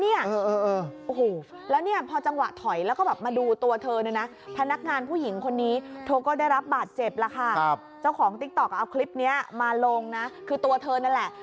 อีกครั้งนึง